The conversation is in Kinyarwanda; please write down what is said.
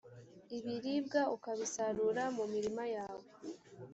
ibiribwa ukabisarura mu mirima yawe.